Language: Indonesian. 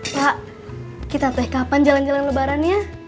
pak kita teh kapan jalan jalan lebaran ya